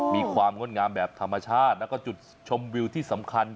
งดงามแบบธรรมชาติแล้วก็จุดชมวิวที่สำคัญ